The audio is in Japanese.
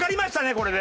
これで。